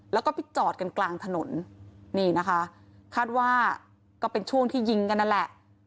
แล้วก็ไปจอดกันกลางถนนนี่นะคะคาดว่าก็เป็นช่วงที่ยิงกันนั่นแหละ